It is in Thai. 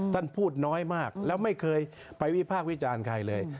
ท่านพูดน้อยมากแล้วไม่เคยไปวิพากษ์วิจารณ์ใครเลย